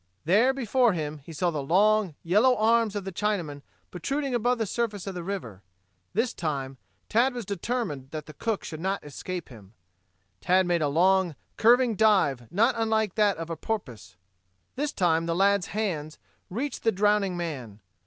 There before him he saw the long, yellow arms of the Chinaman protruding above the surface of the river. This time, Tad was determined that the cook should not escape him. Tad made a long, curving dive not unlike that of a porpoise. This time the lad's hands reached the drowning man.